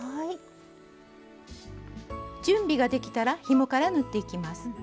準備ができたらひもから縫っていきます。